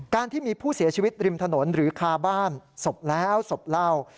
การที่มีผู้เสียชีวิตริมถนนหรือคาบ้านศพแล้วศพเล่า